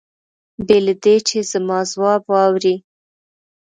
بې له دې چې زما ځواب واوري.